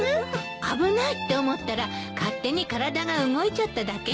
危ないって思ったら勝手に体が動いちゃっただけなのよ。